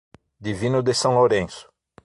Divino de São Lourenço